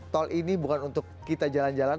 tol ini bukan untuk kita jalan jalan